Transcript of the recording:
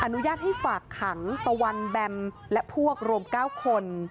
อนุญาตให้ฝากขังตะวันแบมพยายามและพวกรวมพุทธทั้งหมด